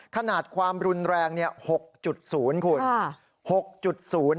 ขนาดความรุนแรง๖๐คุณ